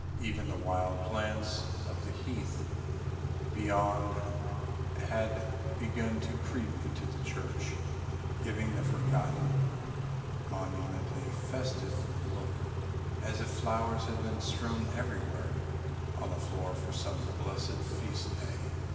Even the wild plants of the heath beyond had begun to creep into the church, giving the forgotten monument a festive look as if flowers had been strewn everywhere on the floor for some blessed feast day.